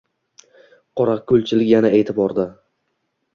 Qorako‘lchilik yana e’tiborda